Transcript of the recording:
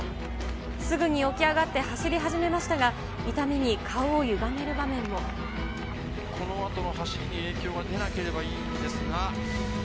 すぐに起き上がって走り始めましたが、このあとの走りに影響が出なければいいんですが。